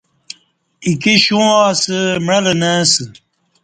ایکے شووا اسہ معلہ نہ اسہ